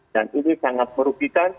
dan ini sangat merugikan